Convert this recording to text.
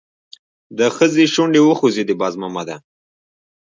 د ښځې شونډې وخوځېدې: باز مامده!